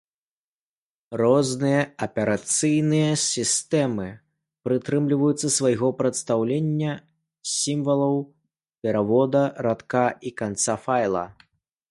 Розныя аперацыйныя сістэмы прытрымліваюцца свайго прадстаўлення сімвалаў перавода радка і канца файла.